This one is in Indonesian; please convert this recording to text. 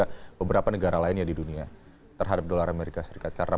indonesia saja tapi juga beberapa negara lainnya di dunia terhadap dollar amerika serikat karena